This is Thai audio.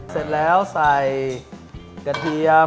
เสร็จแล้วใส่กระเทียม